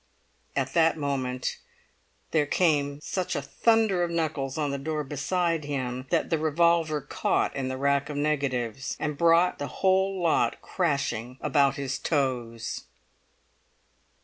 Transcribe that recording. At that moment there came such a thunder of knuckles on the door beside him that the revolver caught in the rack of negatives, and brought the whole lot crashing about his toes.